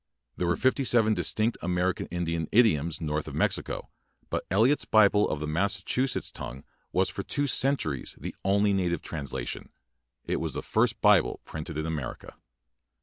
There were fifty seven distinct American Indian idioms north of Mexico; but Eliot's Bible in the Massachuset tongue was for two centuries the only native translation. It was the first Bible printed in Amer ica.